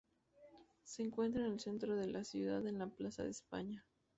Se encuentra en el centro de la ciudad, en la plaza de España.